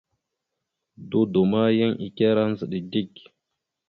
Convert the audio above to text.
Dodo ma, yan ekará ndzəɗa dik.